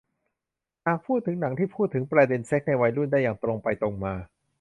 หากพูดถึงหนังที่พูดถึงประเด็นเซ็กส์ในวัยรุ่นได้อย่างตรงไปตรงมา